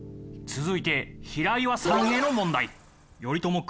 続いて平岩さんへの問題。